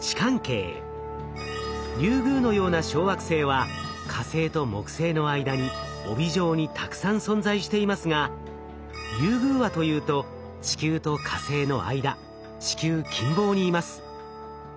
リュウグウのような小惑星は火星と木星の間に帯状にたくさん存在していますがリュウグウはというと地球と火星の間地球近傍にいます。